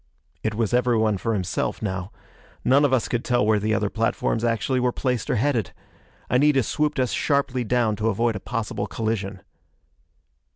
It was everyone for himself now; none of us could tell where the other platforms actually were placed or headed. Anita swooped us sharply down to avoid a possible collision.